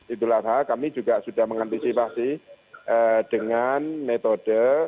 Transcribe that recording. idul adha kami juga sudah mengantisipasi dengan metode